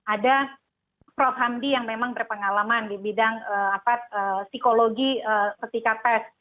ada prof hamdi yang memang berpengalaman di bidang psikologi ketika tes